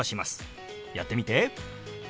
やってみて。